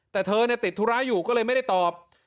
แต่เธอติดธุระอยู่ก็เลยไม่ได้ตอบ